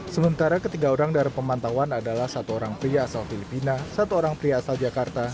sementara ketiga orang dari pemantauan adalah satu orang pria asal filipina satu orang pria asal jakarta